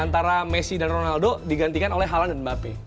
jadi messi dan ronaldo digantikan oleh haalan dan mbappe